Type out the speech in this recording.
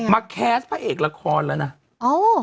มาแคสต์พระเอกละครละนะโอ้